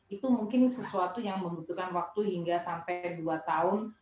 itu mungkin sesuatu yang membutuhkan waktu hingga sampai dua tahun